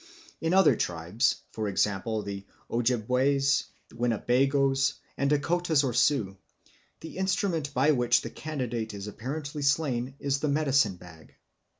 In other tribes, for example, the Ojebways, Winnebagoes, and Dacotas or Sioux, the instrument by which the candidate is apparently slain is the medicine bag.